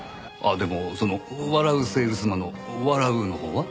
でもその笑うセールスマンの「笑う」のほうは？